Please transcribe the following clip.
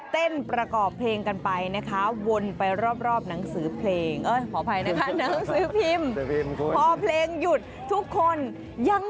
เด็กเก่าหัวเลย